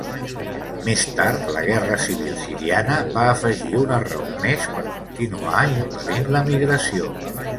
Més tard, la guerra civil siriana va afegir una raó més per continuar impedint la migració.